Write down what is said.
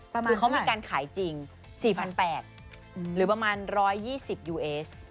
คือเขามีการขายจริง๔๘๐๐หรือประมาณ๑๒๐ยูเอส